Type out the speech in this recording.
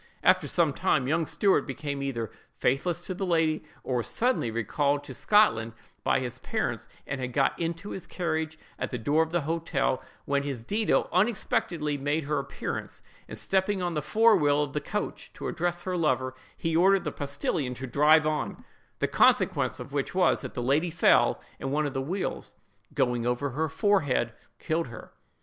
After some time, young Stuart became either faithless to the lady, or was suddenly recalled to Scotland by his parents, and had got into his carriage, at the door of the hotel, when his Dido unexpectedly made her appearance, and stepping on the fore wheel of the coach to address her lover, he ordered the postillion to drive on; the consequence of which was, that the lady fell, and one of the wheels going over her forehead, killed her!